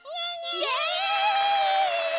イエイ！